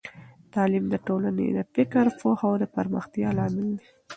تعليم د ټولنې د فکر او پوهه د پراختیا لامل دی.